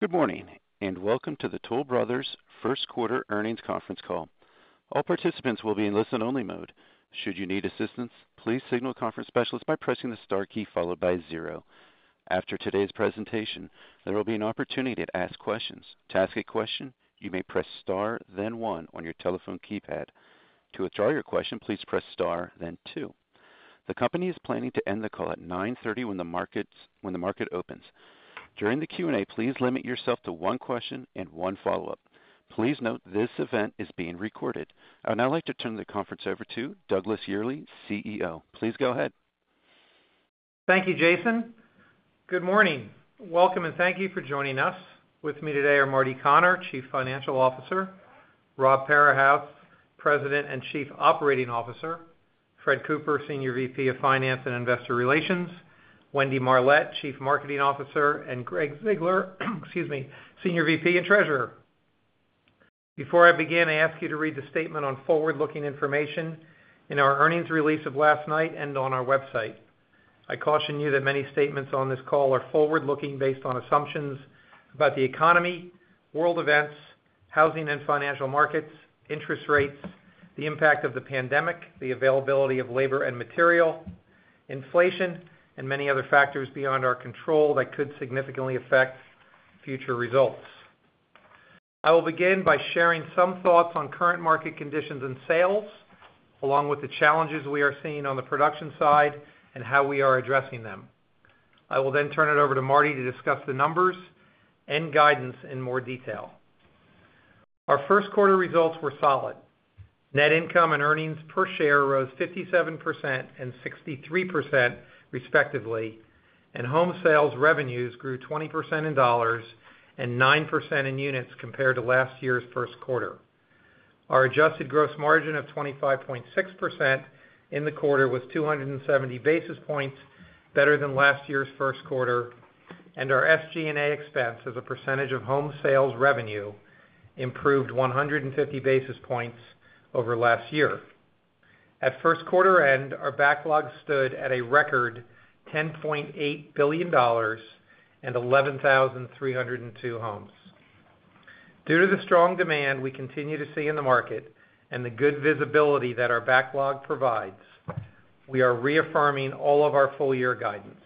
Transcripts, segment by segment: Good morning, and welcome to the Toll Brothers first quarter earnings conference call. All participants will be in listen-only mode. Should you need assistance, please signal a conference specialist by pressing the star key followed by zero. After today's presentation, there will be an opportunity to ask questions. To ask a question, you may press star then one on your telephone keypad. To withdraw your question, please press star then two. The company is planning to end the call at 9:30 A.M. when the market opens. During the Q&A, please limit yourself to one question and one follow-up. Please note this event is being recorded. I would now like to turn the conference over to Douglas Yearley, CEO. Please go ahead. Thank you, Jason. Good morning. Welcome, and thank you for joining us. With me today are Marty Connor, Chief Financial Officer, Rob Parahus, President and Chief Operating Officer, Fred Cooper, Senior VP of Finance and Investor Relations, Wendy Marlett, Chief Marketing Officer, and Greg Ziegler, excuse me, Senior VP and Treasurer. Before I begin, I ask you to read the statement on forward-looking information in our earnings release of last night and on our website. I caution you that many statements on this call are forward-looking based on assumptions about the economy, world events, housing and financial markets, interest rates, the impact of the pandemic, the availability of labor and material, inflation, and many other factors beyond our control that could significantly affect future results. I will begin by sharing some thoughts on current market conditions and sales, along with the challenges we are seeing on the production side and how we are addressing them. I will then turn it over to Marty to discuss the numbers and guidance in more detail. Our first quarter results were solid. Net income and earnings per share rose 57% and 63% respectively, and home sales revenues grew 20% in dollars and 9% in units compared to last year's first quarter. Our adjusted gross margin of 25.6% in the quarter was 270 basis points better than last year's first quarter, and our SG&A expense as a percentage of home sales revenue improved 150 basis points over last year. At first quarter end, our backlog stood at a record $10.8 billion and 11,302 homes. Due to the strong demand we continue to see in the market and the good visibility that our backlog provides, we are reaffirming all of our full year guidance.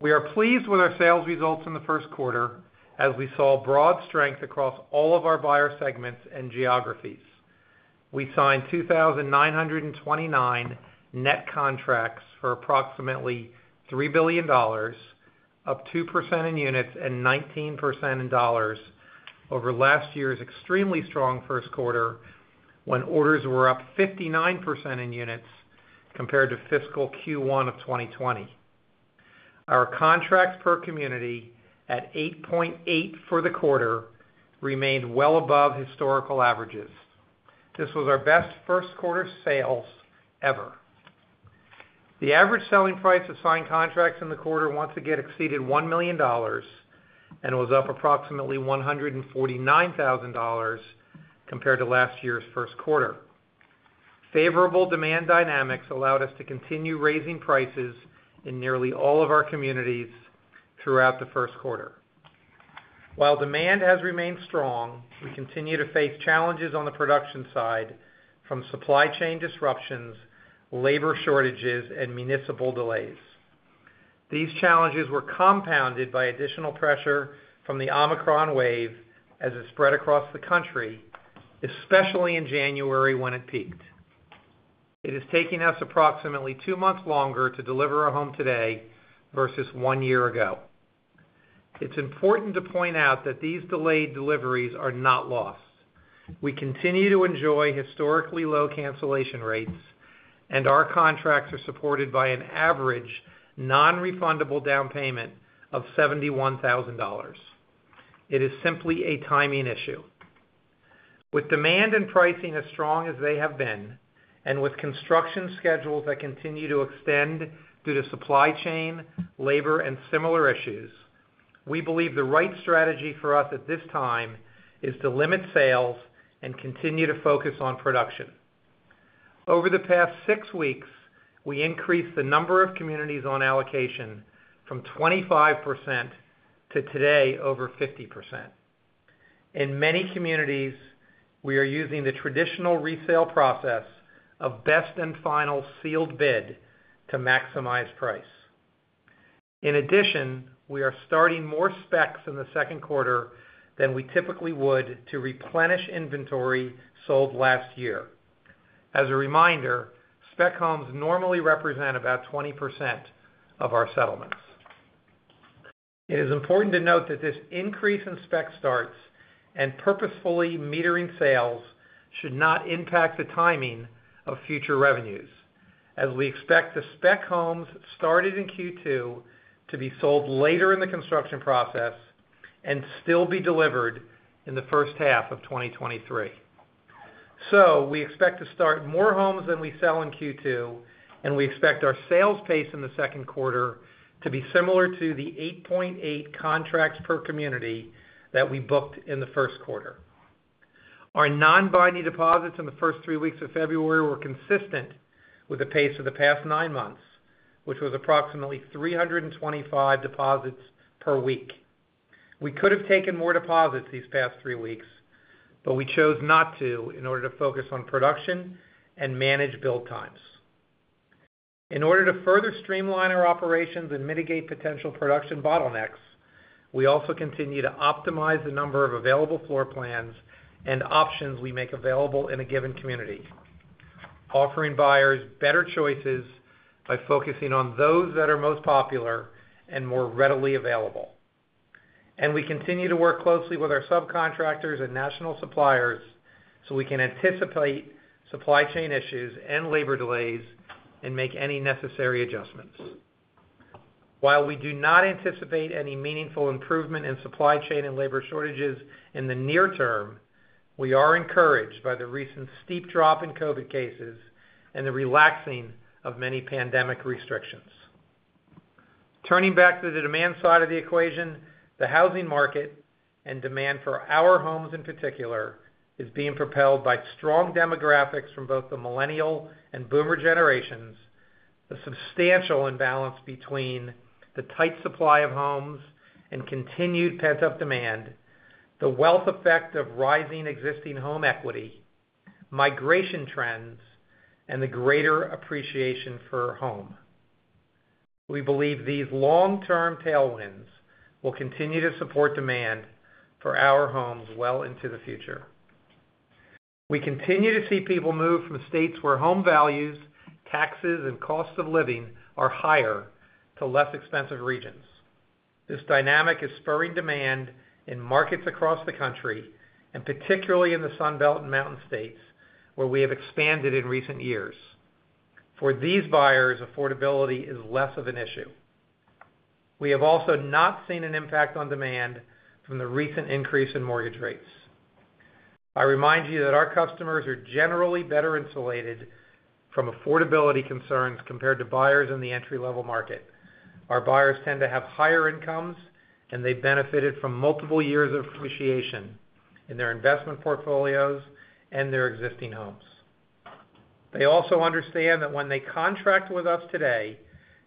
We are pleased with our sales results in the first quarter as we saw broad strength across all of our buyer segments and geographies. We signed 2,929 net contracts for approximately $3 billion, up 2% in units and 19% in dollars over last year's extremely strong first quarter when orders were up 59% in units compared to fiscal Q1 of 2020. Our contracts per community at 8.8 for the quarter remained well above historical averages. This was our best first quarter sales ever. The average selling price of signed contracts in the quarter once again exceeded $1 million and was up approximately $149,000 compared to last year's first quarter. Favorable demand dynamics allowed us to continue raising prices in nearly all of our communities throughout the first quarter. While demand has remained strong, we continue to face challenges on the production side from supply chain disruptions, labor shortages, and municipal delays. These challenges were compounded by additional pressure from the Omicron wave as it spread across the country, especially in January when it peaked. It is taking us approximately two months longer to deliver a home today versus one year ago. It's important to point out that these delayed deliveries are not lost. We continue to enjoy historically low cancellation rates, and our contracts are supported by an average non-refundable down payment of $71,000. It is simply a timing issue. With demand and pricing as strong as they have been, and with construction schedules that continue to extend due to supply chain, labor, and similar issues, we believe the right strategy for us at this time is to limit sales and continue to focus on production. Over the past six weeks, we increased the number of communities on allocation from 25% to today over 50%. In many communities, we are using the traditional resale process of best and final sealed bid to maximize price. In addition, we are starting more specs in the second quarter than we typically would to replenish inventory sold last year. As a reminder, spec homes normally represent about 20% of our settlements. It is important to note that this increase in spec starts and purposefully metering sales should not impact the timing of future revenues as we expect the spec homes started in Q2 to be sold later in the construction process and still be delivered in the first half of 2023. We expect to start more homes than we sell in Q2, and we expect our sales pace in the second quarter to be similar to the 8.8 contracts per community that we booked in the first quarter. Our non-binding deposits in the first three weeks of February were consistent with the pace of the past nine months, which was approximately 325 deposits per week. We could have taken more deposits these past three weeks, but we chose not to in order to focus on production and manage build times. In order to further streamline our operations and mitigate potential production bottlenecks, we also continue to optimize the number of available floor plans and options we make available in a given community, offering buyers better choices by focusing on those that are most popular and more readily available. We continue to work closely with our subcontractors and national suppliers so we can anticipate supply chain issues and labor delays and make any necessary adjustments. While we do not anticipate any meaningful improvement in supply chain and labor shortages in the near term, we are encouraged by the recent steep drop in COVID cases and the relaxing of many pandemic restrictions. Turning back to the demand side of the equation, the housing market and demand for our homes, in particular, is being propelled by strong demographics from both the Millennial and Boomer generations, the substantial imbalance between the tight supply of homes and continued pent-up demand, the wealth effect of rising existing home equity, migration trends, and the greater appreciation for home. We believe these long-term tailwinds will continue to support demand for our homes well into the future. We continue to see people move from states where home values, taxes, and costs of living are higher to less expensive regions. This dynamic is spurring demand in markets across the country, and particularly in the Sun Belt and Mountain States, where we have expanded in recent years. For these buyers, affordability is less of an issue. We have also not seen an impact on demand from the recent increase in mortgage rates. I remind you that our customers are generally better insulated from affordability concerns compared to buyers in the entry-level market. Our buyers tend to have higher incomes, and they benefited from multiple years of appreciation in their investment portfolios and their existing homes. They also understand that when they contract with us today,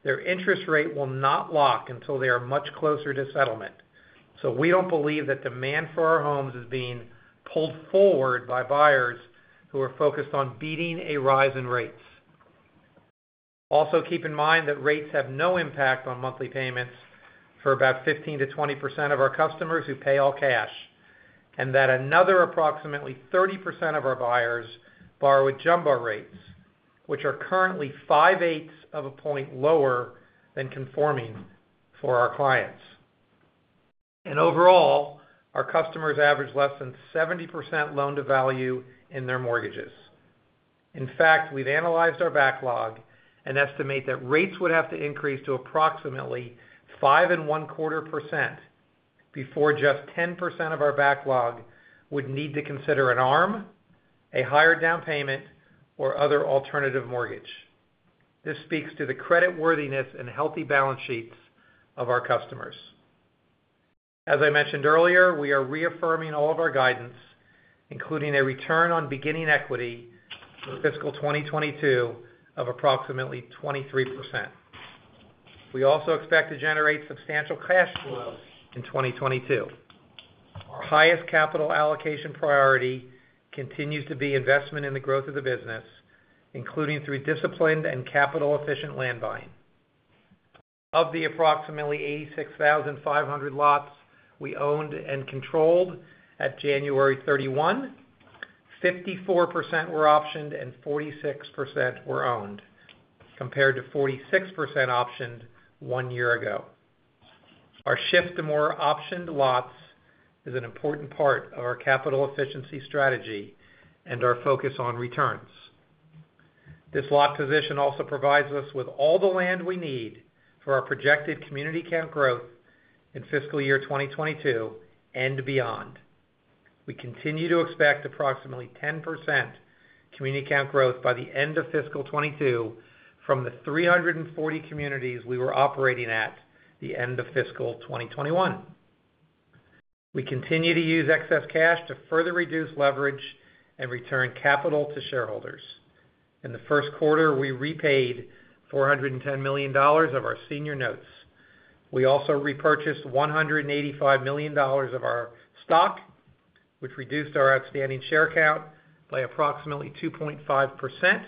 their interest rate will not lock until they are much closer to settlement. We don't believe that demand for our homes is being pulled forward by buyers who are focused on beating a rise in rates. Also, keep in mind that rates have no impact on monthly payments for about 15%-20% of our customers who pay all cash, and that another approximately 30% of our buyers borrow at jumbo rates, which are currently five-eighths of a point lower than conforming for our clients. Overall, our customers average less than 70% loan-to-value in their mortgages. In fact, we've analyzed our backlog and estimate that rates would have to increase to approximately 5.25% before just 10% of our backlog would need to consider an ARM, a higher down payment, or other alternative mortgage. This speaks to the creditworthiness and healthy balance sheets of our customers. As I mentioned earlier, we are reaffirming all of our guidance, including a return on beginning equity for fiscal 2022 of approximately 23%. We also expect to generate substantial cash flows in 2022. Our highest capital allocation priority continues to be investment in the growth of the business, including through disciplined and capital-efficient land buying. Of the approximately 86,500 lots we owned and controlled at January 31, 54% were optioned and 46% were owned, compared to 46% optioned one year ago. Our shift to more optioned lots is an important part of our capital efficiency strategy and our focus on returns. This lot position also provides us with all the land we need for our projected community count growth in fiscal year 2022 and beyond. We continue to expect approximately 10% community count growth by the end of fiscal 2022 from the 340 communities we were operating at the end of fiscal 2021. We continue to use excess cash to further reduce leverage and return capital to shareholders. In the first quarter, we repaid $410 million of our senior notes. We also repurchased $185 million of our stock, which reduced our outstanding share count by approximately 2.5%,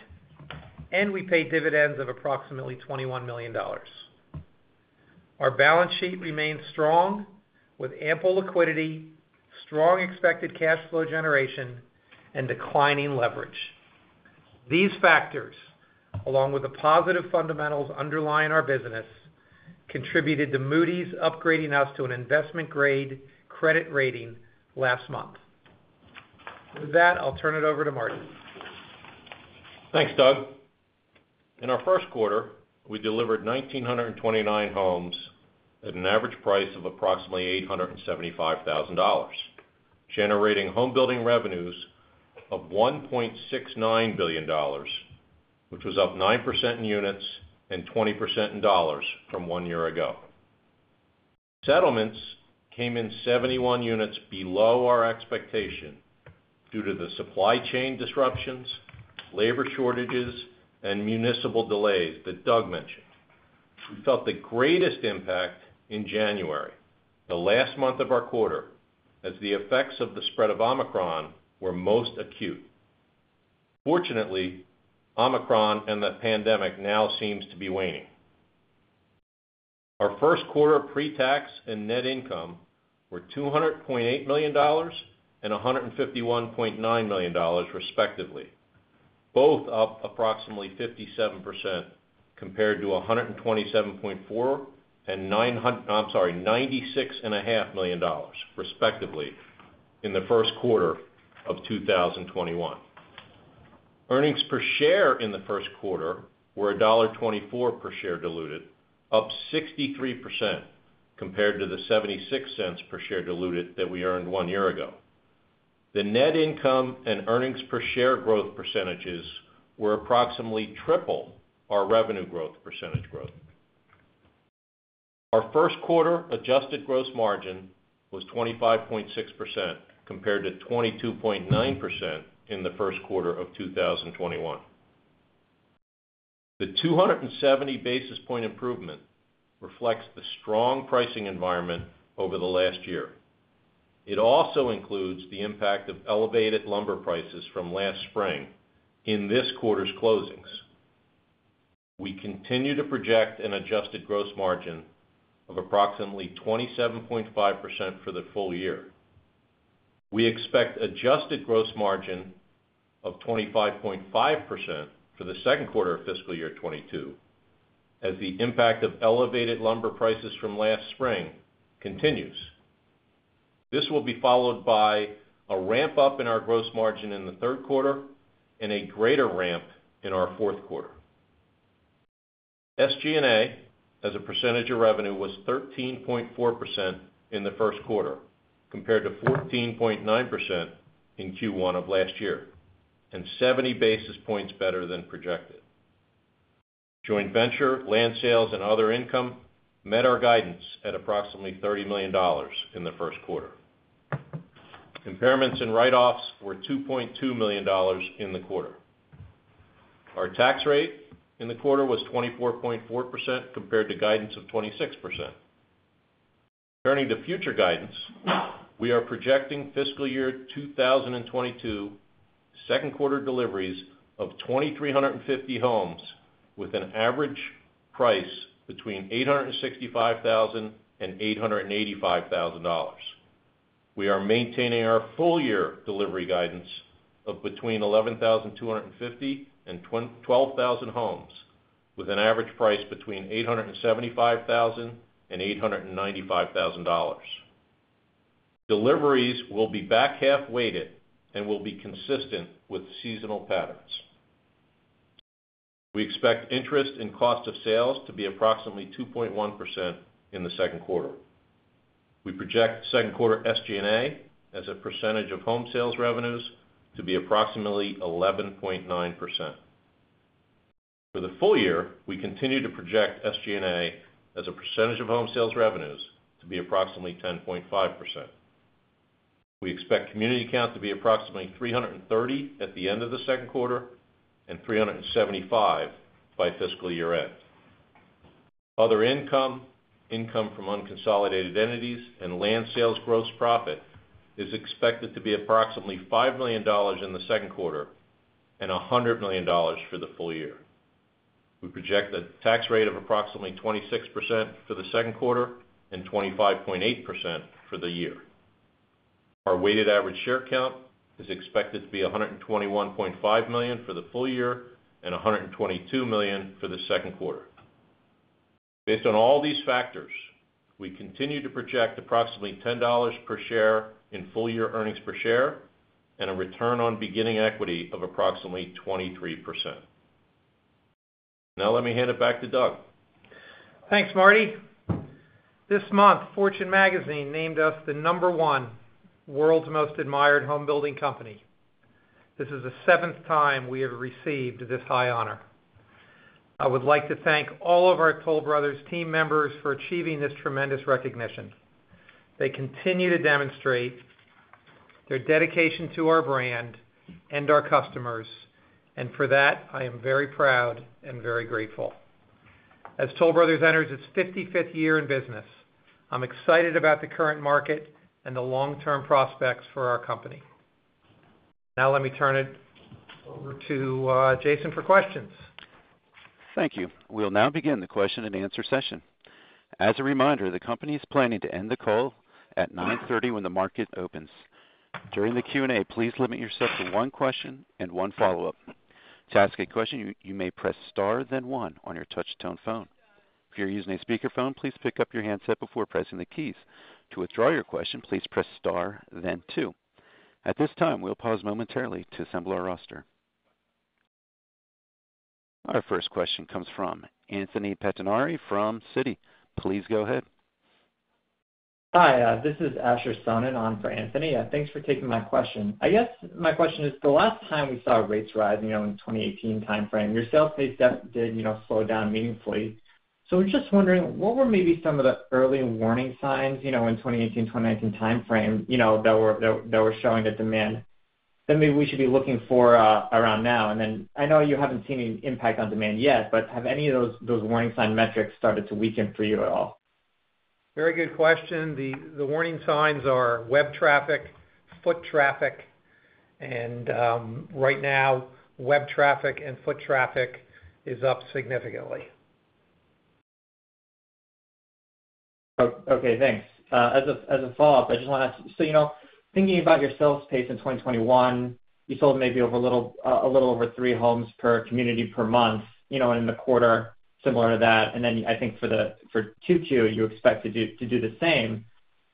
and we paid dividends of approximately $21 million. Our balance sheet remains strong with ample liquidity, strong expected cash flow generation, and declining leverage. These factors, along with the positive fundamentals underlying our business, contributed to Moody's upgrading us to an investment-grade credit rating last month. With that, I'll turn it over to Marty. Thanks, Doug. In our first quarter, we delivered 1,929 homes at an average price of approximately $875,000, generating home building revenues of $1.69 billion, which was up 9% in units and 20% in dollars from one year ago. Settlements came in 71 units below our expectation due to the supply chain disruptions, labor shortages, and municipal delays that Doug mentioned. We felt the greatest impact in January, the last month of our quarter, as the effects of the spread of Omicron were most acute. Fortunately, Omicron and the pandemic now seems to be waning. Our first quarter pre-tax and net income were $200.8 million and $151.9 million respectively, both up approximately 57% compared to $127.4 million and $90 million... I'm sorry, $96.5 million respectively in the first quarter of 2021. Earnings per share in the first quarter were $1.24 per share diluted, up 63% compared to the 76 cents per share diluted that we earned one year ago. The net income and earnings per share growth percentages were approximately triple our revenue growth percentage growth. Our first quarter adjusted gross margin was 25.6% compared to 22.9% in the first quarter of 2021. The 270 basis point improvement reflects the strong pricing environment over the last year. It also includes the impact of elevated lumber prices from last spring in this quarter's closings. We continue to project an adjusted gross margin of approximately 27.5% for the full year. We expect adjusted gross margin of 25.5% for the second quarter of FY 2022 as the impact of elevated lumber prices from last spring continues. This will be followed by a ramp up in our gross margin in the third quarter and a greater ramp in our fourth quarter. SG&A, as a percentage of revenue, was 13.4% in the first quarter compared to 14.9% in Q1 of last year, and 70 basis points better than projected. Joint venture, land sales, and other income met our guidance at approximately $30 million in the first quarter. Impairments and write-offs were $2.2 million in the quarter. Our tax rate in the quarter was 24.4% compared to guidance of 26%. Turning to future guidance, we are projecting fiscal year 2022 second quarter deliveries of 2,350 homes with an average price between $865,000 and $885,000. We are maintaining our full year delivery guidance of between 11,250 and 12,000 homes with an average price between $875,000 and $895,000. Deliveries will be back half weighted and will be consistent with seasonal patterns. We expect interest in cost of sales to be approximately 2.1% in the second quarter. We project second quarter SG&A as a percentage of home sales revenues to be approximately 11.9%. For the full year, we continue to project SG&A as a percentage of home sales revenues to be approximately 10.5%. We expect community count to be approximately 330 at the end of the second quarter and 375 by fiscal year-end. Other income from unconsolidated entities, and land sales gross profit is expected to be approximately $5 million in the second quarter and $100 million for the full year. We project a tax rate of approximately 26% for the second quarter and 25.8% for the year. Our weighted average share count is expected to be 121.5 million for the full year and 122 million for the second quarter. Based on all these factors, we continue to project approximately $10 per share in full year earnings per share and a return on beginning equity of approximately 23%. Now let me hand it back to Doug. Thanks, Marty. This month, Fortune Magazine named as the number one World's most admired Homebuilder company. This is the 7th time we have received this high honor. I would like to thank all of our Toll Brothers team members for achieving this tremendous recognition. They continue to demonstrate their dedication to our brand and our customers, and for that, I am very proud and very grateful. As Toll Brothers enters its 55th year in business, I'm excited about the current market and the long-term prospects for our company. Now let me turn it over to Jason for questions. Thank you. We'll now begin the question and answer session. As a reminder, the company is planning to end the call at 9:30 A.M. when the market opens. During the Q&A, please limit yourself to one question and one follow-up. To ask a question, you may press star then one on your touch tone phone. If you're using a speakerphone, please pick up your handset before pressing the keys. To withdraw your question, please press star then two. At this time, we'll pause momentarily to assemble our roster. Our first question comes from Anthony Pettinari from Citi. Please go ahead. Hi, this is Asher Sohnen on for Anthony. Thanks for taking my question. I guess my question is the last time we saw rates rise, you know, in the 2018 timeframe, your sales pace did, you know, slow down meaningfully. I'm just wondering what were maybe some of the early warning signs, you know, in 2018, 2019 timeframe, you know, that were showing the demand that maybe we should be looking for, around now? I know you haven't seen any impact on demand yet, but have any of those warning sign metrics started to weaken for you at all? Very good question. The warning signs are web traffic, foot traffic, and right now web traffic and foot traffic is up significantly. Okay, thanks. As a follow-up, I just wanna. So, you know, thinking about your sales pace in 2021, you sold maybe a little over three homes per community per month, you know, in the quarter similar to that. Then I think for 2022, you expect to do the same.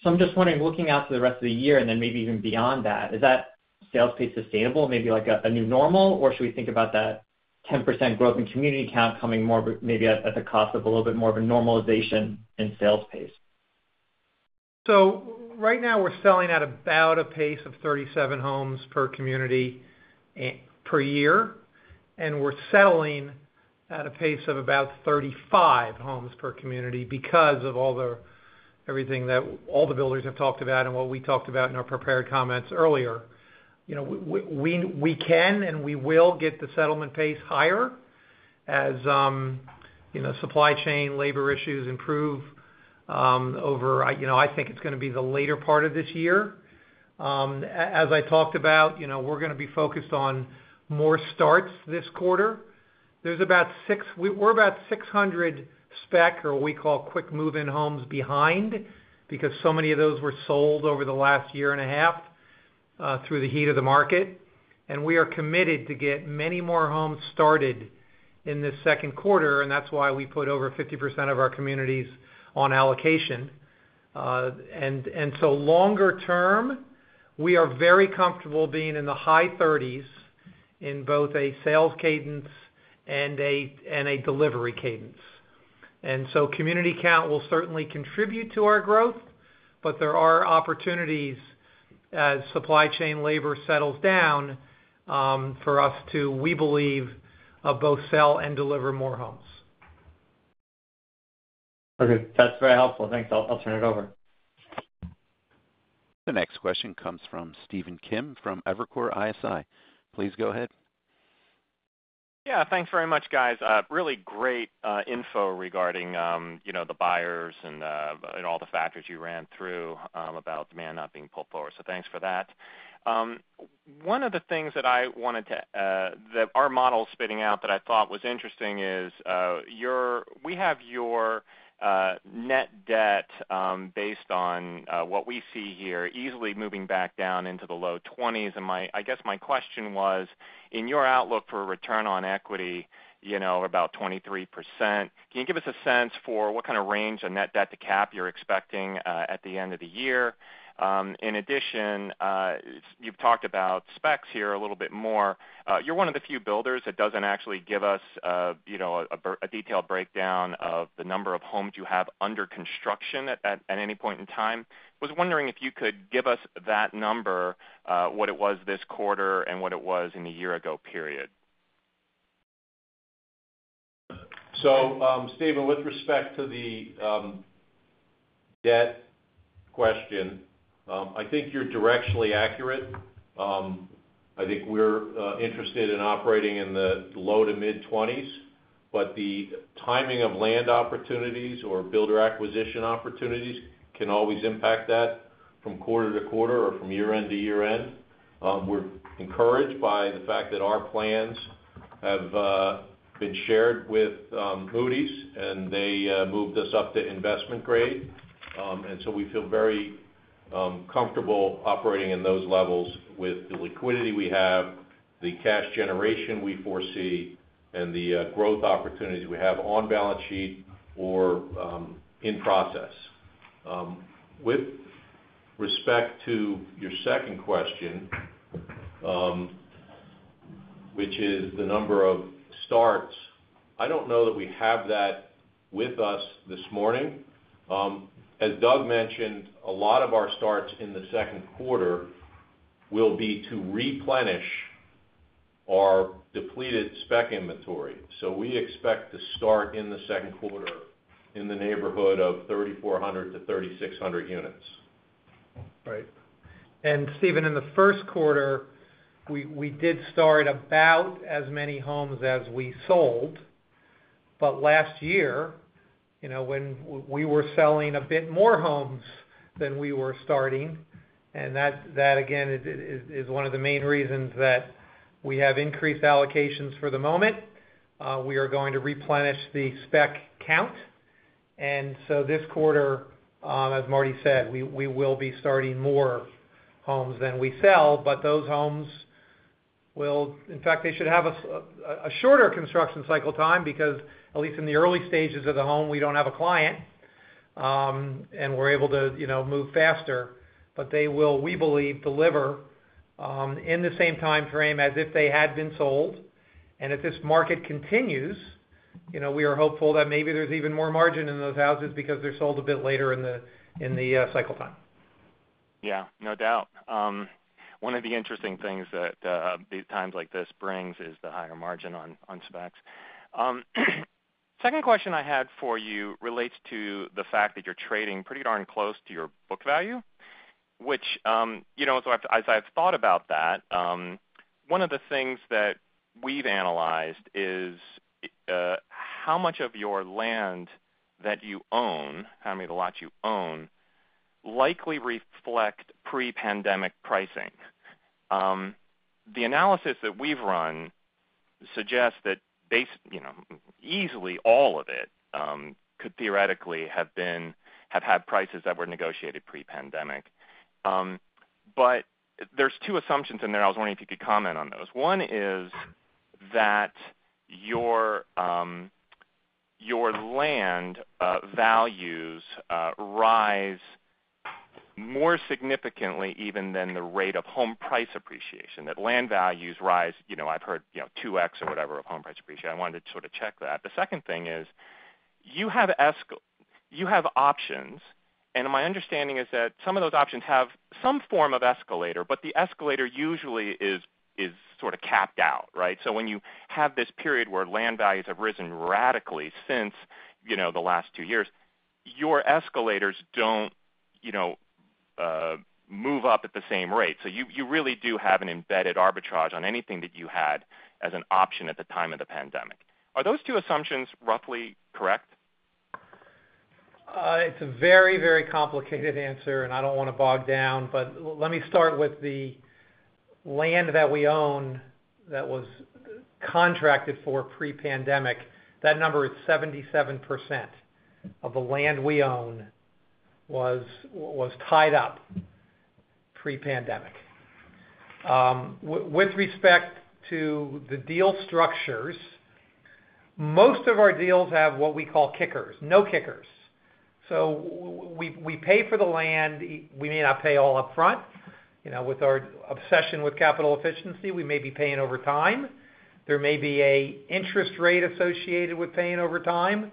I'm just wondering, looking out to the rest of the year and then maybe even beyond that, is that sales pace sustainable, maybe like a new normal, or should we think about that 10% growth in community count coming more of a, maybe at the cost of a little bit more of a normalization in sales pace? Right now we're selling at about a pace of 37 homes per community per year, and we're settling at a pace of about 35 homes per community because of all the everything that all the builders have talked about and what we talked about in our prepared comments earlier. You know, we can and we will get the settlement pace higher as, you know, supply chain labor issues improve over. I you know, I think it's gonna be the later part of this year. As I talked about, you know, we're gonna be focused on more starts this quarter. There's about six... We're about 600 spec or we call quick move-in homes behind because so many of those were sold over the last year and a half through the heat of the market, and we are committed to get many more homes started in this second quarter, and that's why we put over 50% of our communities on allocation. Longer term, we are very comfortable being in the high thirties in both a sales cadence and a delivery cadence. Community count will certainly contribute to our growth, but there are opportunities as supply chain labor settles down for us to, we believe, both sell and deliver more homes. Okay. That's very helpful. Thanks. I'll turn it over. The next question comes from Stephen Kim from Evercore ISI. Please go ahead. Yeah. Thanks very much, guys. Really great info regarding, you know, the buyers and all the factors you ran through about demand not being pulled forward. Thanks for that. One of the things that our model's spitting out that I thought was interesting is your net debt, based on what we see here, easily moving back down into the low 20s. My, I guess, question was, in your outlook for return on equity, you know, about 23%, can you give us a sense for what kind of range of net debt to capital you're expecting at the end of the year? In addition, you've talked about specs here a little bit more. You're one of the few builders that doesn't actually give us, you know, a detailed breakdown of the number of homes you have under construction at any point in time. Was wondering if you could give us that number, what it was this quarter and what it was in the year ago period. Stephen, with respect to the debt question, I think you're directionally accurate. I think we're interested in operating in the low- to mid-20s%, but the timing of land opportunities or builder acquisition opportunities can always impact that from quarter to quarter or from year-end to year-end. We're encouraged by the fact that our plans have been shared with Moody's, and they moved us up to investment-grade. We feel very comfortable operating in those levels with the liquidity we have, the cash generation we foresee, and the growth opportunities we have on balance sheet or in process. With respect to your second question, which is the number of starts, I don't know that we have that with us this morning. As Doug mentioned, a lot of our starts in the second quarter will be to replenish our depleted spec inventory. We expect to start in the second quarter in the neighborhood of 3,400-3,600 units. Right. Steven, in the first quarter, we did start about as many homes as we sold. Last year, you know, when we were selling a bit more homes than we were starting, and that again is one of the main reasons that we have increased allocations for the moment. We are going to replenish the spec count. This quarter, as Marty said, we will be starting more homes than we sell, but those homes will... In fact, they should have a shorter construction cycle time because at least in the early stages of the home, we don't have a client, and we're able to, you know, move faster. They will, we believe, deliver in the same timeframe as if they had been sold. If this market continues, you know, we are hopeful that maybe there's even more margin in those houses because they're sold a bit later in the cycle time. Yeah, no doubt. One of the interesting things that these times like this brings is the higher margin on specs. Second question I had for you relates to the fact that you're trading pretty darn close to your book value, which, you know, as I've thought about that, one of the things that we've analyzed is how much of your land that you own, how many of the lots you own, likely reflect pre-pandemic pricing. The analysis that we've run suggests that, you know, easily all of it could theoretically have had prices that were negotiated pre-pandemic. But there's two assumptions in there, I was wondering if you could comment on those. One is that your land values rise more significantly even than the rate of home price appreciation, that land values rise, you know, I've heard, you know, 2x or whatever of home price appreciation. I wanted to sort of check that. The second thing is you have options, and my understanding is that some of those options have some form of escalator, but the escalator usually is sort of capped out, right? When you have this period where land values have risen radically since, you know, the last two years, your escalators don't, you know, move up at the same rate. So you really do have an embedded arbitrage on anything that you had as an option at the time of the pandemic. Are those two assumptions roughly correct? It's a very, very complicated answer, and I don't wanna bog down. Let me start with the land that we own that was contracted for pre-pandemic. That number is 77% of the land we own was tied up pre-pandemic. With respect to the deal structures, most of our deals have what we call kickers. No kickers. We pay for the land. We may not pay all up front, you know, with our obsession with capital efficiency, we may be paying over time. There may be an interest rate associated with paying over time.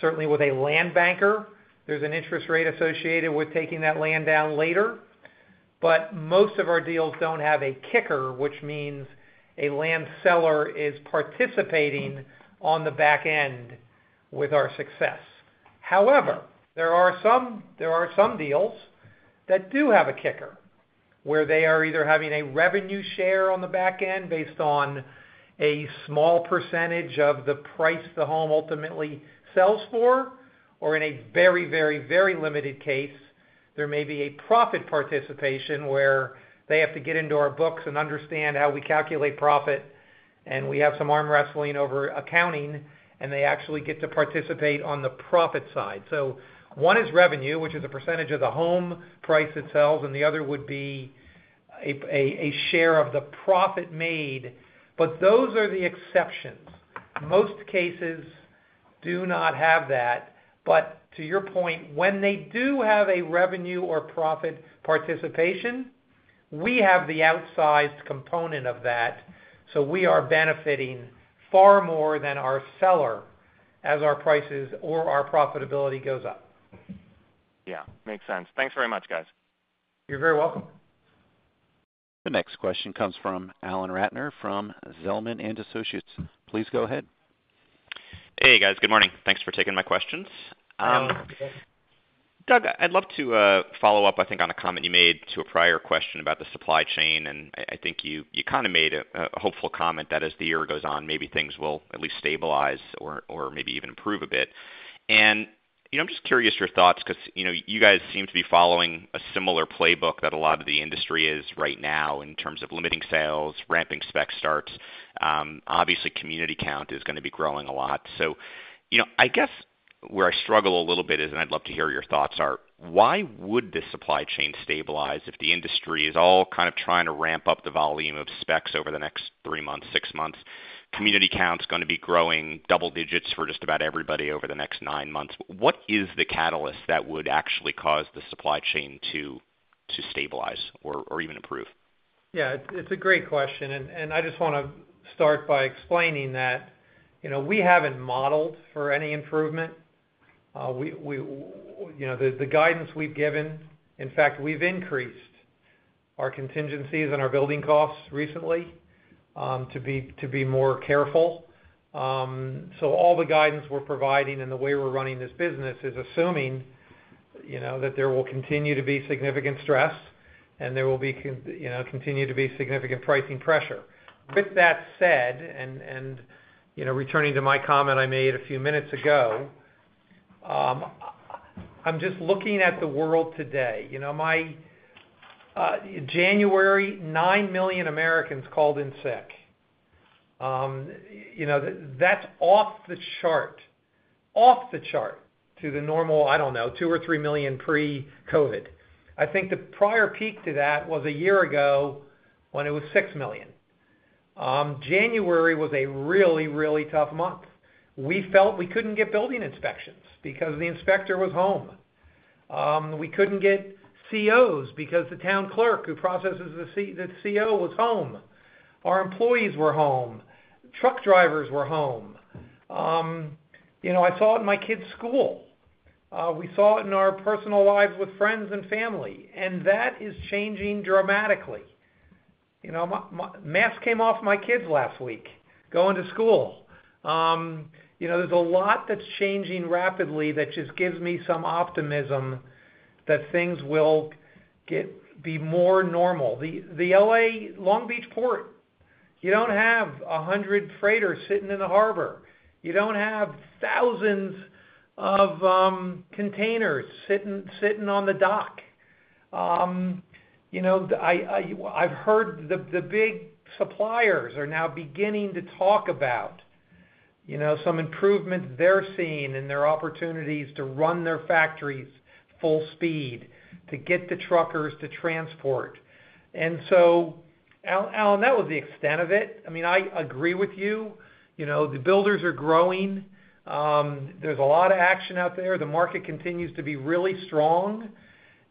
Certainly with a land banker, there's an interest rate associated with taking that land down later. Most of our deals don't have a kicker, which means a land seller is participating on the back end with our success. However, there are some deals that do have a kicker, where they are either having a revenue share on the back end based on a small percentage of the price the home ultimately sells for, or in a very limited case, there may be a profit participation where they have to get into our books and understand how we calculate profit, and we have some arm wrestling over accounting, and they actually get to participate on the profit side. One is revenue, which is a percentage of the home price it sells, and the other would be a share of the profit made. Those are the exceptions. Most cases do not have that. to your point, when they do have a revenue or profit participation, we have the outsized component of that, so we are benefiting far more than our seller as our prices or our profitability goes up. Yeah, makes sense. Thanks very much, guys. You're very welcome. The next question comes from Alan Ratner from Zelman & Associates. Please go ahead. Hey, guys. Good morning. Thanks for taking my questions. Yeah. Doug, I'd love to follow up, I think, on a comment you made to a prior question about the supply chain, and I think you kinda made a hopeful comment that as the year goes on, maybe things will at least stabilize or maybe even improve a bit. You know, I'm just curious your thoughts, 'cause you know, you guys seem to be following a similar playbook that a lot of the industry is right now in terms of limiting sales, ramping spec starts. Obviously community count is gonna be growing a lot. You know, I guess where I struggle a little bit is, and I'd love to hear your thoughts, are why would the supply chain stabilize if the industry is all kind of trying to ramp up the volume of specs over the next three months, six months? Community count's gonna be growing double digits for just about everybody over the next nine months. What is the catalyst that would actually cause the supply chain to stabilize or even improve? Yeah, it's a great question, and I just wanna start by explaining that, you know, we haven't modeled for any improvement. You know, the guidance we've given. In fact, we've increased our contingencies and our building costs recently, to be more careful. So all the guidance we're providing and the way we're running this business is assuming, you know, that there will continue to be significant stress and there will be, you know, continue to be significant pricing pressure. With that said, and you know, returning to my comment I made a few minutes ago, I'm just looking at the world today. You know, In January, 9 million Americans called in sick. You know, that's off the chart to the normal, I don't know, 2 million or 3 million pre-COVID. I think the prior peak to that was a year ago when it was 6 million. January was a really tough month. We felt we couldn't get building inspections because the inspector was home. We couldn't get COs because the town clerk who processes the CO was home. Our employees were home. Truck drivers were home. You know, I saw it in my kids' school. We saw it in our personal lives with friends and family, and that is changing dramatically. You know, masks came off my kids last week going to school. You know, there's a lot that's changing rapidly that just gives me some optimism that things will be more normal. The L.A. Long Beach Port, you don't have 100 freighters sitting in the harbor. You don't have thousands of containers sitting on the dock. You know, I've heard the big suppliers are now beginning to talk about, you know, some improvements they're seeing and their opportunities to run their factories full speed to get the truckers to transport. Alan, that was the extent of it. I mean, I agree with you. You know, the builders are growing. There's a lot of action out there. The market continues to be really strong.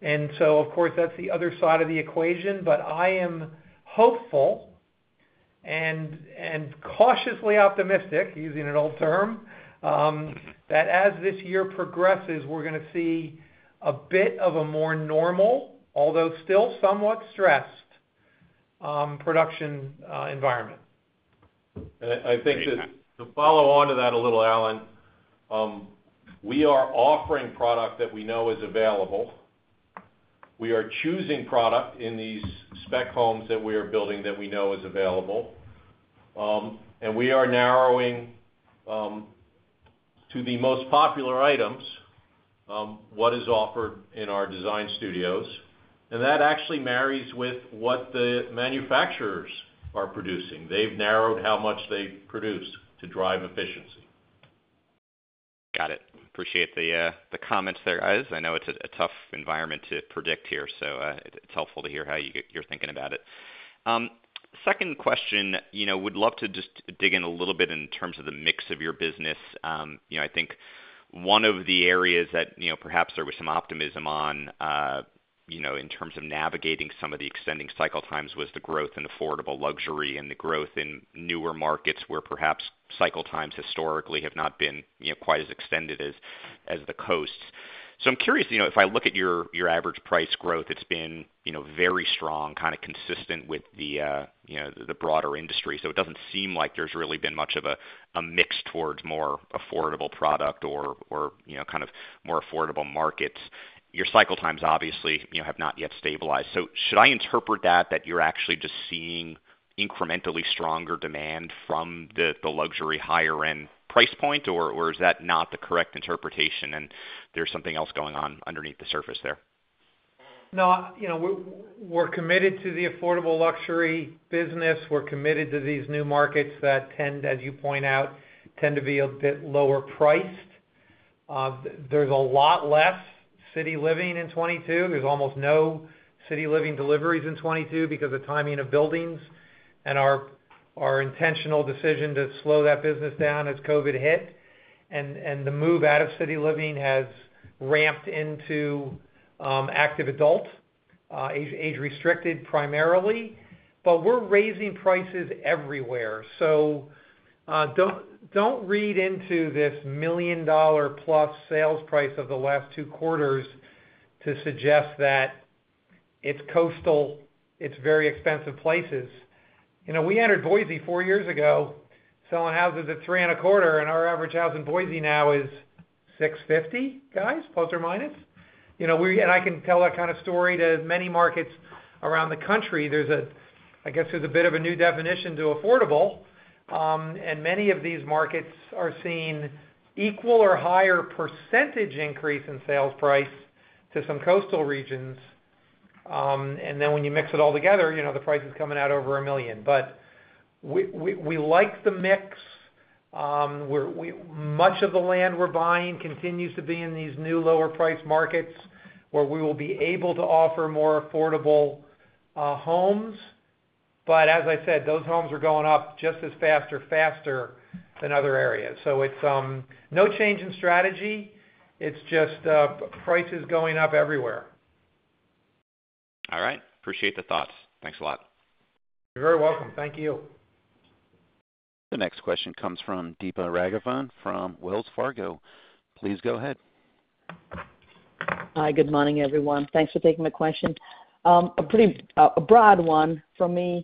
Of course, that's the other side of the equation. I am hopeful and cautiously optimistic, using an old term, that as this year progresses, we're gonna see a bit of a more normal, although still somewhat stressed, production environment. I think to follow on to that a little, Alan, we are offering product that we know is available. We are choosing product in these spec homes that we are building that we know is available. We are narrowing to the most popular items what is offered in our Design Studios, and that actually marries with what the manufacturers are producing. They've narrowed how much they produce to drive efficiency. Got it. Appreciate the the comments there, guys. I know it's a tough environment to predict here, so it's helpful to hear how you're thinking about it. Second question, you know, would love to just dig in a little bit in terms of the mix of your business. You know, I think one of the areas that, you know, perhaps there was some optimism on, you know, in terms of navigating some of the extending cycle times was the growth in affordable luxury and the growth in newer markets, where perhaps cycle times historically have not been, you know, quite as extended as the coasts. I'm curious, you know, if I look at your average price growth, it's been, you know, very strong, kind of consistent with the the broader industry. It doesn't seem like there's really been much of a mix towards more affordable product or, you know, kind of more affordable markets. Your cycle times obviously, you know, have not yet stabilized. Should I interpret that you're actually just seeing incrementally stronger demand from the luxury higher end price point, or is that not the correct interpretation and there's something else going on underneath the surface there? No, you know, we're committed to the affordable luxury business. We're committed to these new markets that, as you point out, tend to be a bit lower priced. There's a lot less City Living in 2022. There's almost no City Living deliveries in 2022 because of timing of buildings and our intentional decision to slow that business down as COVID hit. The move out of City Living has ramped into active adult age restricted primarily. We're raising prices everywhere. Don't read into this million-dollar-plus sales price of the last two quarters to suggest that it's coastal, it's very expensive places. You know, we entered Boise four years ago selling houses at $325, and our average house in Boise now is $650, guys, plus or minus. You know, I can tell that kind of story to many markets around the country. There's a bit of a new definition to affordable, I guess. Many of these markets are seeing equal or higher percentage increase in sales price to some coastal regions. When you mix it all together, you know, the price is coming out over $1 million. We like the mix. Much of the land we're buying continues to be in these new lower priced markets where we will be able to offer more affordable homes. As I said, those homes are going up just as fast or faster than other areas. It's no change in strategy. It's just prices going up everywhere. All right. Appreciate the thoughts. Thanks a lot. You're very welcome. Thank you. The next question comes from Deepa Raghavan from Wells Fargo. Please go ahead. Hi, good morning, everyone. Thanks for taking my question. A pretty broad one from me.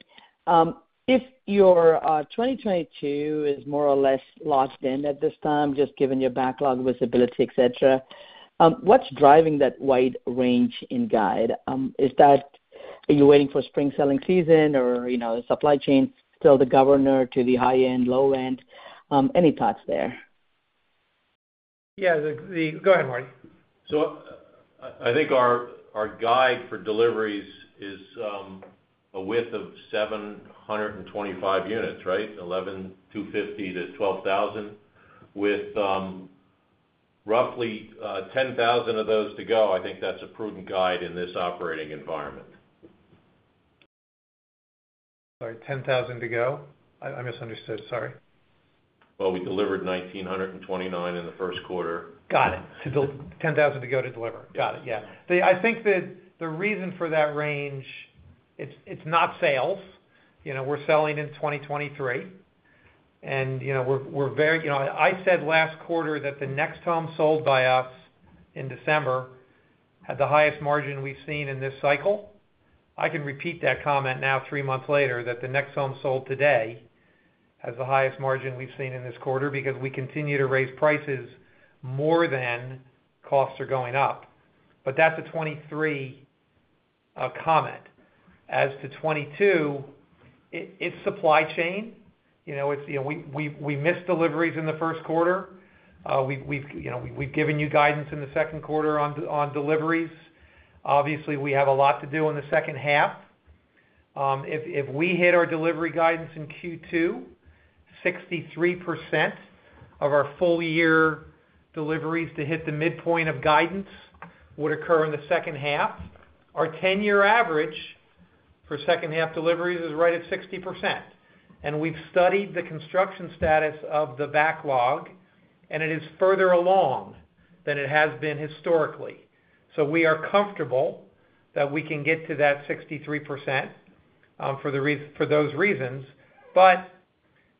If your 2022 is more or less locked in at this time, just given your backlog visibility, et cetera, what's driving that wide range in guide? Is that? Are you waiting for spring selling season or, you know, supply chain still the governor to the high end, low end? Any thoughts there? Go ahead, Marty. I think our guide for deliveries is a width of 725 units, right? 11,250-12,000 with roughly 10,000 of those to go. I think that's a prudent guide in this operating environment. Sorry, 10,000 to go? I misunderstood, sorry. Well, we delivered 1,929 in the first quarter. Got it. 10,000 to go to deliver. Yeah. Got it. Yeah. See, I think that the reason for that range, it's not sales. You know, we're selling in 2023. You know, I said last quarter that the next home sold by us in December had the highest margin we've seen in this cycle. I can repeat that comment now three months later, that the next home sold today has the highest margin we've seen in this quarter because we continue to raise prices more than costs are going up. But that's a 2023 comment. As to 2022, it's supply chain. You know, it's supply chain. You know, we missed deliveries in the first quarter. We've given you guidance in the second quarter on deliveries. Obviously, we have a lot to do in the second half. If we hit our delivery guidance in Q2, 63% of our full year deliveries to hit the midpoint of guidance would occur in the second half. Our 10 year average for second half deliveries is right at 60%. We've studied the construction status of the backlog, and it is further along than it has been historically. We are comfortable that we can get to that 63%, for those reasons.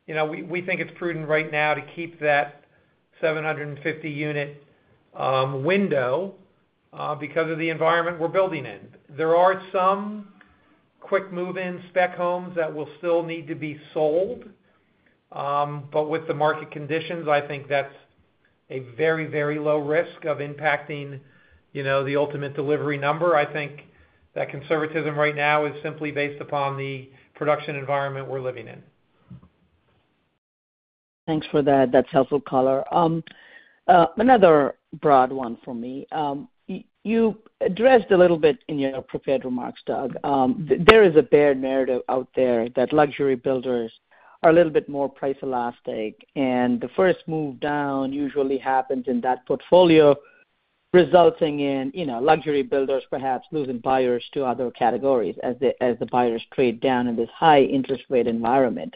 You know, we think it's prudent right now to keep that 750-unit window because of the environment we're building in. There are some quick move-in spec homes that will still need to be sold. With the market conditions, I think that's a very, very low risk of impacting, you know, the ultimate delivery number. I think that conservatism right now is simply based upon the production environment we're living in. Thanks for that. That's helpful color. Another broad one for me. You addressed a little bit in your prepared remarks, Doug. There is a bear narrative out there that luxury builders are a little bit more price elastic, and the first move down usually happens in that portfolio, resulting in, you know, luxury builders perhaps losing buyers to other categories as the buyers trade down in this high interest rate environment.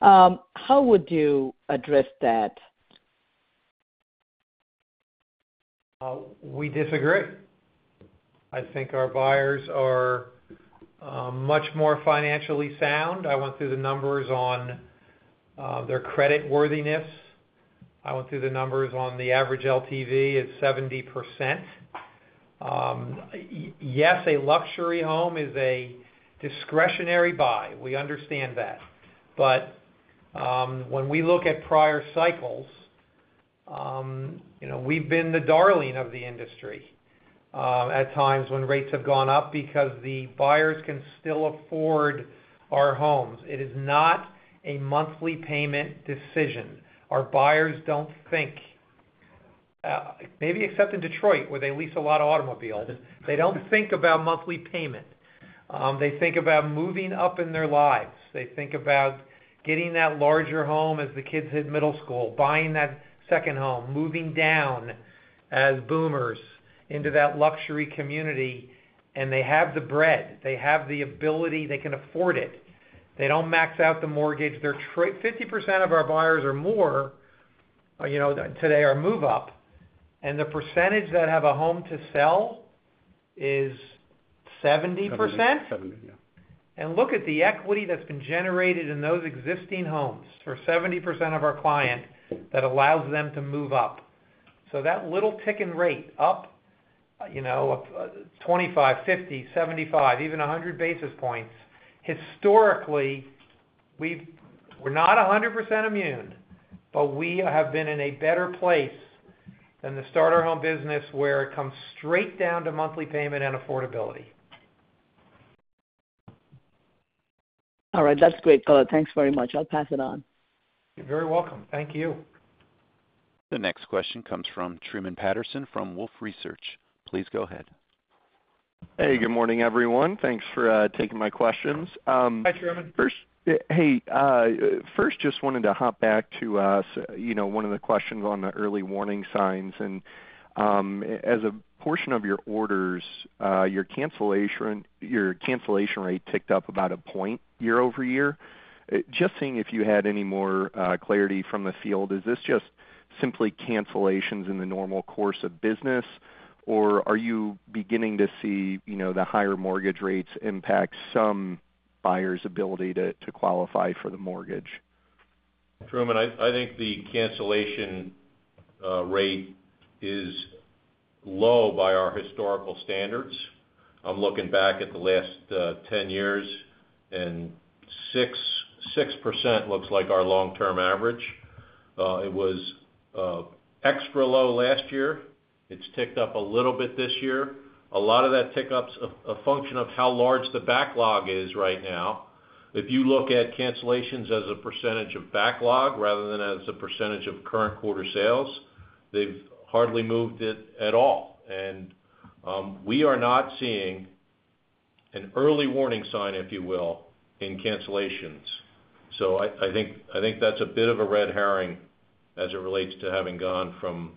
How would you address that? We disagree. I think our buyers are much more financially sound. I went through the numbers on their creditworthiness. I went through the numbers on the average LTV; it's 70%. Yes, a luxury home is a discretionary buy, we understand that. When we look at prior cycles, you know, we've been the darling of the industry at times when rates have gone up because the buyers can still afford our homes. It is not a monthly payment decision. Our buyers don't think. Maybe except in Detroit, where they lease a lot of automobiles. They don't think about monthly payment. They think about moving up in their lives. They think about getting that larger home as the kids hit middle school, buying that second home, moving down as boomers into that luxury community, and they have the bread, they have the ability, they can afford it. They don't max out the mortgage. 50% of our buyers or more, you know, today are move up, and the percentage that have a home to sell is 70%? 70%. Yeah. Look at the equity that's been generated in those existing homes for 70% of our client that allows them to move up. That little tick in rate up, you know, 25, 50, 75, even 100 basis points, historically, we're not 100% immune, but we have been in a better place than the starter home business, where it comes straight down to monthly payment and affordability. All right. That's great color. Thanks very much. I'll pass it on. You're very welcome. Thank you. The next question comes from Truman Patterson from Wolfe Research. Please go ahead. Hey, good morning, everyone. Thanks for taking my questions. Hi, Truman. Just wanted to hop back to, you know, one of the questions on the early warning signs. As a portion of your orders, your cancellation rate ticked up about a point year-over-year. Just seeing if you had any more clarity from the field. Is this just simply cancellations in the normal course of business, or are you beginning to see, you know, the higher mortgage rates impact some buyers' ability to qualify for the mortgage? Truman, I think the cancellation rate is low by our historical standards. I'm looking back at the last 10 years, and 6% looks like our long-term average. It was extra low last year. It's ticked up a little bit this year. A lot of that tick up's a function of how large the backlog is right now. If you look at cancellations as a percentage of backlog rather than as a percentage of current quarter sales, they've hardly moved it at all. We are not seeing an early warning sign, if you will, in cancellations. So I think that's a bit of a red herring as it relates to having gone from,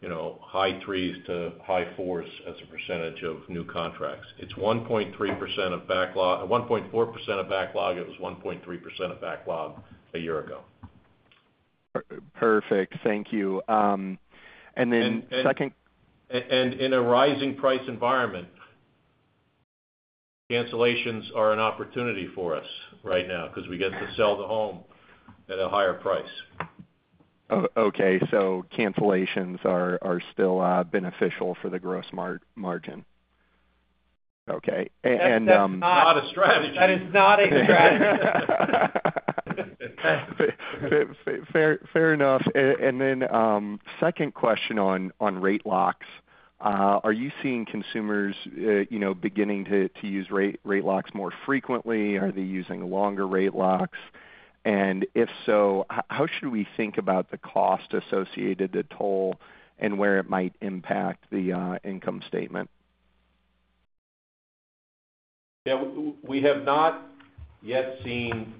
you know, high threes to high fours as a percentage of new contracts. It's 1.3% of backlog, 1.4% of backlog. It was 1.3% of backlog a year ago. Perfect. Thank you. Second In a rising price environment, cancellations are an opportunity for us right now 'cause we get to sell the home at a higher price. Okay, cancellations are still beneficial for the gross margin. Okay. That's not a strategy. That is not a strategy. Fair enough. Second question on rate locks. Are you seeing consumers, you know, beginning to use rate locks more frequently? Are they using longer rate locks? If so, how should we think about the cost associated to Toll and where it might impact the income statement? Yeah. We have not yet seen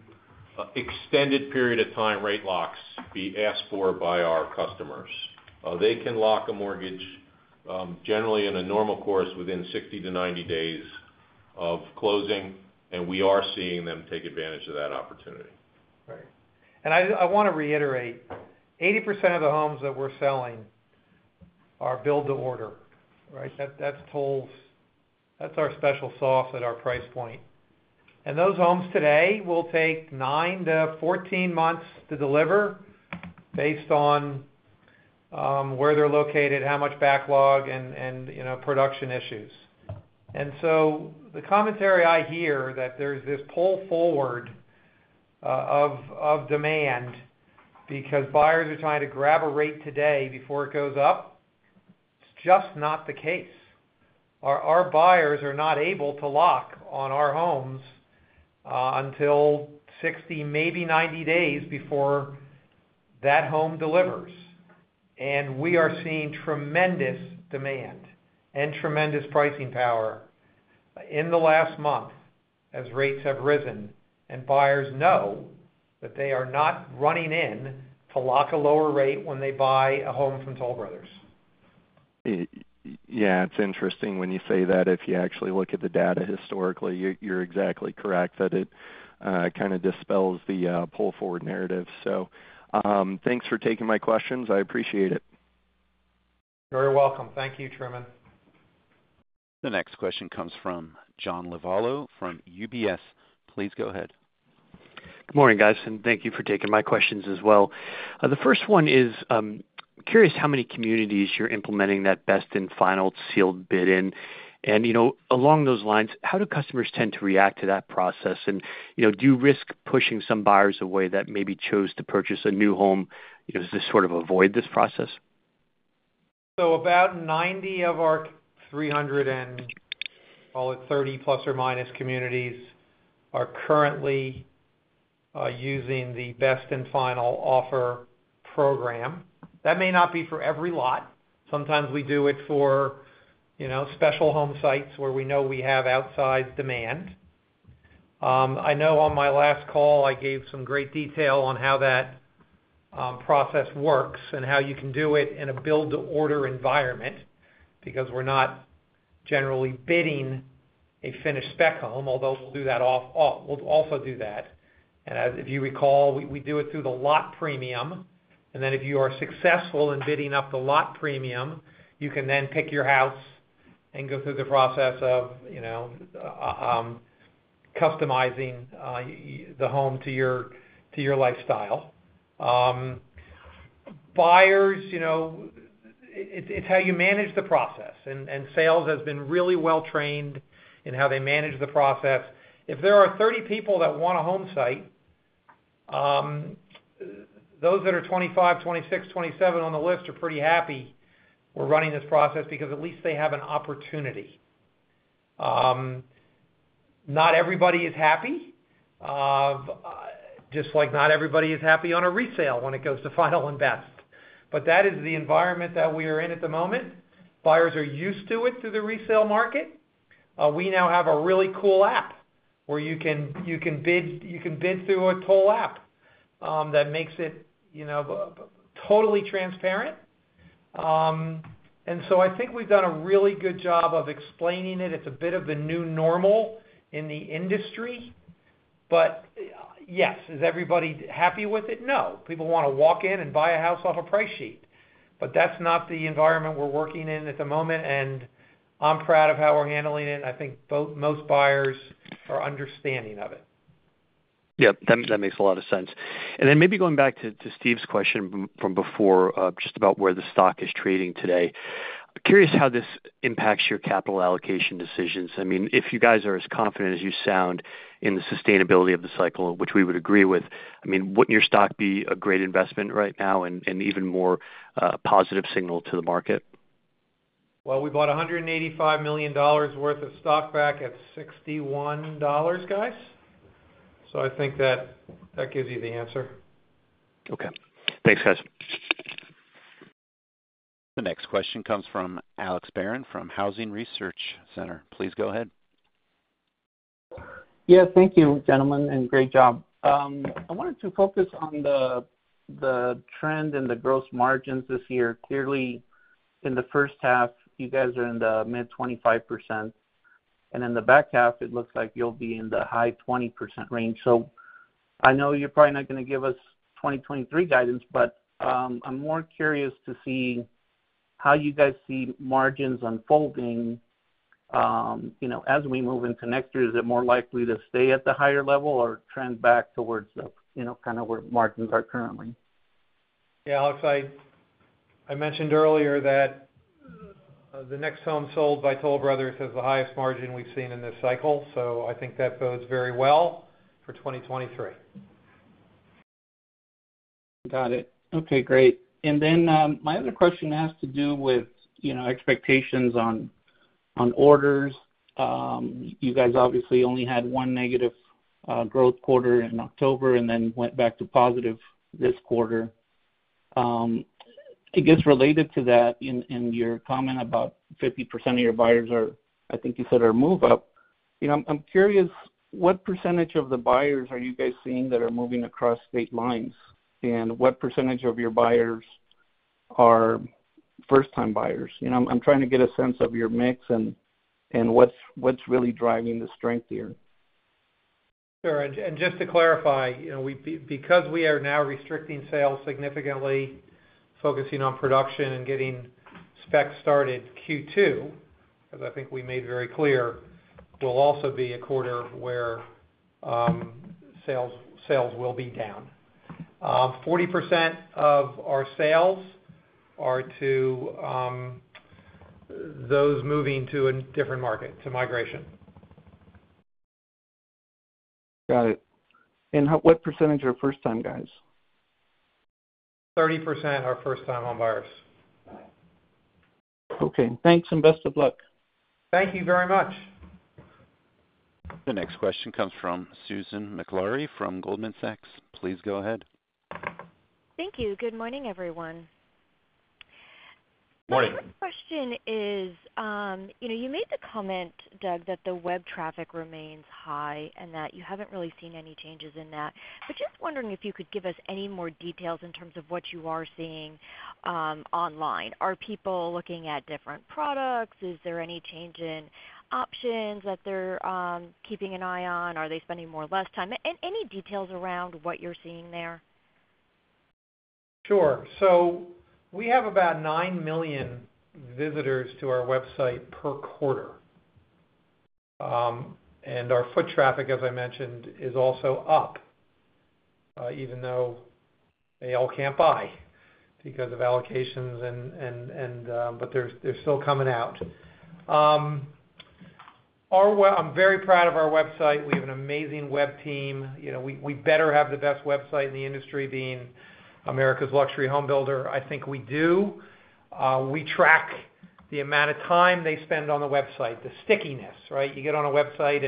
extended period of time rate locks be asked for by our customers. They can lock a mortgage, generally in a normal course within 60-90 days of closing, and we are seeing them take advantage of that opportunity. Right. I wanna reiterate, 80% of the homes that we're selling are build to order. Right? That's Toll's. That's our special sauce at our price point. Those homes today will take 9-14 months to deliver based on where they're located, how much backlog, you know, production issues. The commentary I hear that there's this pull forward of demand because buyers are trying to grab a rate today before it goes up, it's just not the case. Our buyers are not able to lock on our homes until 60, maybe 90 days before that home delivers. We are seeing tremendous demand and tremendous pricing power in the last month as rates have risen, and buyers know that they are not running in to lock a lower rate when they buy a home from Toll Brothers. Yeah, it's interesting when you say that. If you actually look at the data historically, you're exactly correct that it kinda dispels the pull-forward narrative. Thanks for taking my questions. I appreciate it. You're welcome. Thank you, Truman. The next question comes from John Lovallo from UBS. Please go ahead. Good morning, guys, and thank you for taking my questions as well. The first one is curious how many communities you're implementing that best and final sealed bid in. You know, along those lines, how do customers tend to react to that process? You know, do you risk pushing some buyers away that maybe chose to purchase a new home, you know, to sort of avoid this process? About 90 of our 330 plus or minus communities are currently using the best and final offer program. That may not be for every lot. Sometimes we do it for, you know, special home sites where we know we have outsized demand. I know on my last call, I gave some great detail on how that process works and how you can do it in a build-to-order environment because we're not generally bidding a finished spec home, although we'll also do that. As if you recall, we do it through the lot premium, and then if you are successful in bidding up the lot premium, you can then pick your house and go through the process of, you know, customizing the home to your lifestyle. Buyers, you know... It's how you manage the process and sales has been really well trained in how they manage the process. If there are 30 people that want a home site, those that are 25, 26, 27 on the list are pretty happy we're running this process because at least they have an opportunity. Not everybody is happy, just like not everybody is happy on a resale when it goes to final and best. That is the environment that we are in at the moment. Buyers are used to it through the resale market. We now have a really cool app where you can bid through a Toll app that makes it, you know, totally transparent. I think we've done a really good job of explaining it. It's a bit of the new normal in the industry. Yes, is everybody happy with it? No. People wanna walk in and buy a house off a price sheet, but that's not the environment we're working in at the moment, and I'm proud of how we're handling it, and I think most buyers are understanding of it. Yep. That makes a lot of sense. Maybe going back to Stephen's question from before, just about where the stock is trading today. Curious how this impacts your capital allocation decisions. I mean, if you guys are as confident as you sound in the sustainability of the cycle, which we would agree with, I mean, wouldn't your stock be a great investment right now and even more positive signal to the market? Well, we bought $185 million worth of stock back at $61, guys. I think that gives you the answer. Okay. Thanks, guys. The next question comes from Alex Barron from Housing Research Center. Please go ahead. Yeah, thank you, gentlemen, and great job. I wanted to focus on the trend in the gross margins this year. Clearly, in the first half, you guys are in the mid 25%, and in the back half, it looks like you'll be in the high 20% range. I know you're probably not gonna give us 2023 guidance, but I'm more curious to see how you guys see margins unfolding, you know, as we move into next year. Is it more likely to stay at the higher level or trend back towards the, you know, kind of where margins are currently? Yeah, Alex, I mentioned earlier that the next home sold by Toll Brothers has the highest margin we've seen in this cycle, so I think that bodes very well for 2023. Got it. Okay, great. My other question has to do with, you know, expectations on orders. You guys obviously only had one negative growth quarter in October and then went back to positive this quarter. I guess related to that, in your comment about 50% of your buyers are, I think you said are move up, you know, I'm curious what percentage of the buyers are you guys seeing that are moving across state lines? And what percentage of your buyers are first time buyers? You know, I'm trying to get a sense of your mix and what's really driving the strength here. Sure. Just to clarify, you know, because we are now restricting sales significantly, focusing on production and getting spec started Q2, as I think we made very clear, will also be a quarter where sales will be down. 40% of our sales are to those moving to a different market, to migration. Got it. What percentage are first time guys? 30% are first-time home buyers. Okay, thanks and best of luck. Thank you very much. The next question comes from Susan Maklari from Goldman Sachs. Please go ahead. Thank you. Good morning, everyone. Morning. My first question is, you know, you made the comment, Doug, that the web traffic remains high and that you haven't really seen any changes in that. Just wondering if you could give us any more details in terms of what you are seeing, online. Are people looking at different products? Is there any change in options that they're keeping an eye on? Are they spending more or less time? Any details around what you're seeing there? Sure. We have about 9 million visitors to our website per quarter. Our foot traffic, as I mentioned, is also up even though they all can't buy because of allocations, but they're still coming out. I'm very proud of our website. We have an amazing web team. You know, we better have the best website in the industry being America's luxury home builder. I think we do. We track the amount of time they spend on the website, the stickiness, right? You get on a website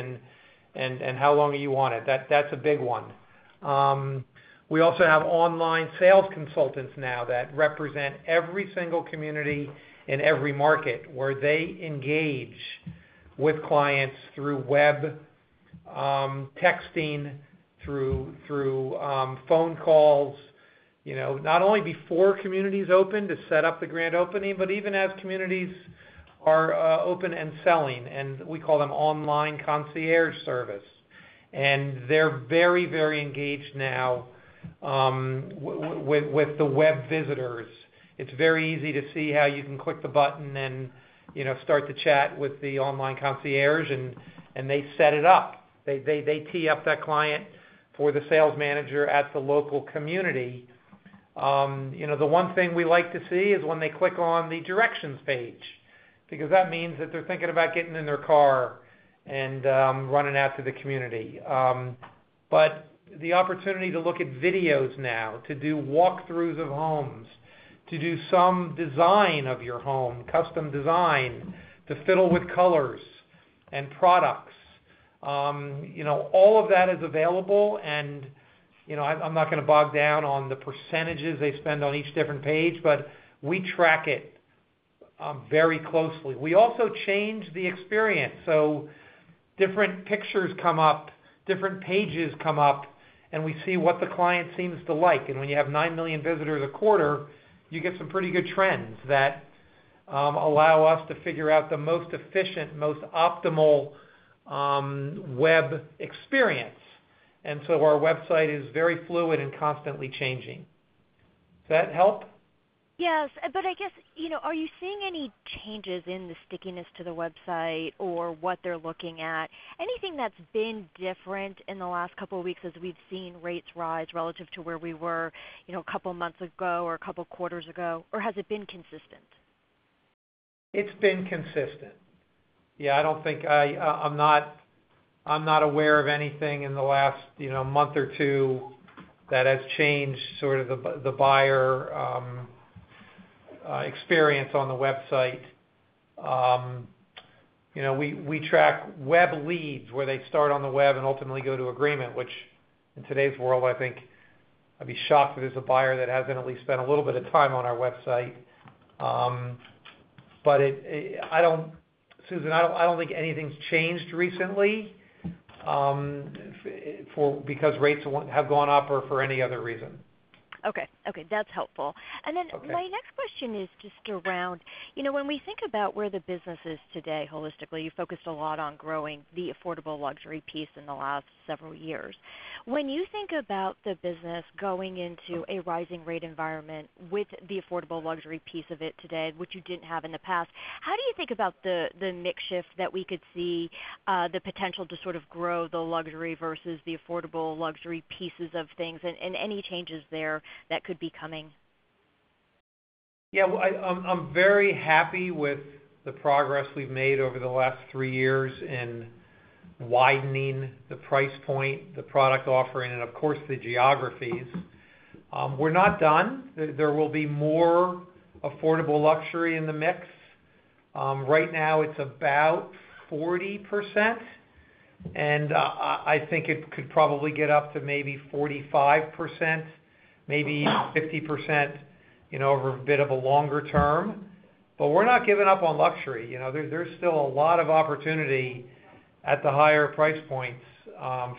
and how long are you on it. That's a big one. We also have online sales consultants now that represent every single community in every market, where they engage with clients through web, texting, through phone calls, you know, not only before communities open to set up the grand opening, but even as communities are open and selling, and we call them Online Sales Consultant. They're very, very engaged now with the web visitors. It's very easy to see how you can click the button and, you know, start to chat with the online concierge and they set it up. They tee up that client for the sales manager at the local community. You know, the one thing we like to see is when they click on the directions page, because that means that they're thinking about getting in their car and running out to the community. The opportunity to look at videos now, to do walkthroughs of homes, to do some design of your home, custom design, to fiddle with colors and products, you know, all of that is available. You know, I'm not gonna bog down on the percentages they spend on each different page, but we track it very closely. We also change the experience, so different pictures come up, different pages come up, and we see what the client seems to like. When you have 9 million visitors a quarter, you get some pretty good trends that allow us to figure out the most efficient, most optimal web experience. Our website is very fluid and constantly changing. Does that help? Yes. I guess, you know, are you seeing any changes in the stickiness to the website or what they're looking at? Anything that's been different in the last couple of weeks as we've seen rates rise relative to where we were, you know, a couple of months ago or a couple quarters ago, or has it been consistent? It's been consistent. I don't think I'm aware of anything in the last, you know, month or two that has changed sort of the buyer experience on the website. You know, we track web leads where they start on the web and ultimately go to agreement, which in today's world, I think I'd be shocked if there's a buyer that hasn't at least spent a little bit of time on our website. I don't think anything's changed recently, Susan, because rates have gone up or for any other reason. Okay. Okay, that's helpful. Okay. My next question is just around, you know, when we think about where the business is today holistically, you focused a lot on growing the affordable luxury piece in the last several years. When you think about the business going into a rising rate environment with the affordable luxury piece of it today, which you didn't have in the past, how do you think about the mix shift that we could see, the potential to sort of grow the luxury versus the affordable luxury pieces of things and any changes there that could be coming? Yeah, well, I'm very happy with the progress we've made over the last three years in widening the price point, the product offering, and of course, the geographies. We're not done. There will be more affordable luxury in the mix. Right now it's about 40%, and I think it could probably get up to maybe 45%, maybe even 50%, you know, over a bit of a longer term. We're not giving up on luxury, you know. There's still a lot of opportunity at the higher price points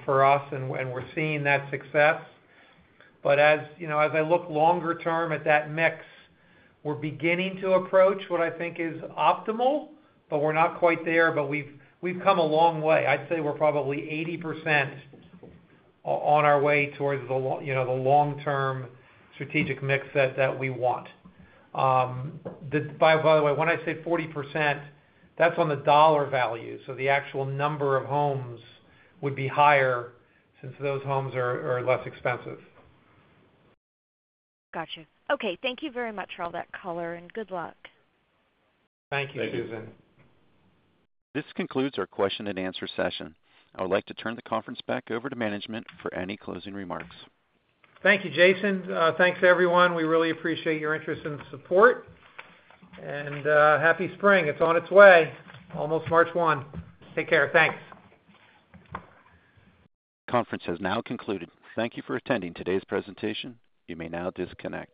for us and we're seeing that success. As you know, as I look longer term at that mix, we're beginning to approach what I think is optimal, but we're not quite there. We've come a long way. I'd say we're probably 80% on our way towards the long-term strategic mix that we want, you know. By the way, when I say 40%, that's on the dollar value, so the actual number of homes would be higher since those homes are less expensive. Gotcha. Okay. Thank you very much for all that color and good luck. Thank you, Susan. This concludes our question and answer session. I would like to turn the conference back over to management for any closing remarks. Thank you, Jason. Thanks everyone. We really appreciate your interest and support. Happy spring. It's on its way, almost March 1. Take care. Thanks. Conference has now concluded. Thank you for attending today's presentation. You may now disconnect.